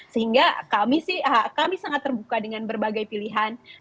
sehingga kami sangat terbuka dengan berbagai pilihan